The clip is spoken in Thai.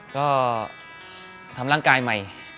ก็ทำร่างกายใหม่